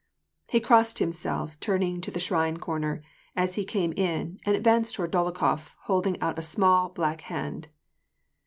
He crossed himself, turning to the shrine corner, as he came in, and advanced toward Dolokhof, holding out a small, black hand.